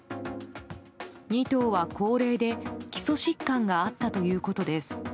２頭は高齢で基礎疾患があったということです。